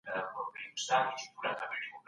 آيا ته د خپل حق په اړه معلومات لرې؟